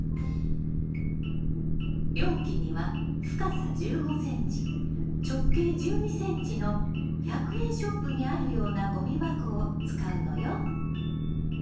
容器には深さ１５ｃｍ直径１２ｃｍの１００円ショップにあるようなゴミ箱を使うのよ。